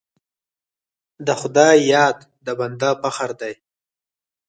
د خدای یاد د بنده فخر دی.